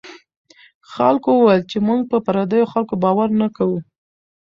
خلکو وویل چې موږ په پردیو خلکو باور نه کوو.